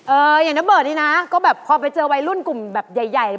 อย่างน้าเบิร์ดนี่นะก็แบบพอไปเจอวัยรุ่นกลุ่มแบบใหญ่